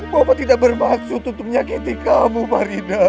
bopo tidak bermaksud untuk menyakiti kamu farida